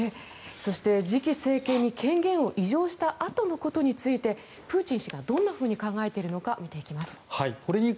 そして次期政権に権限を移譲したあとのことについてプーチン氏がどんなふうに考えているか見ていきます。